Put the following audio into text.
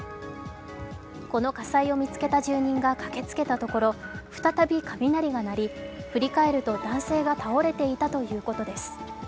この火災を見つけた住人が駆けつけたところ再び雷が鳴り、振り返ると男性が倒れていたということです。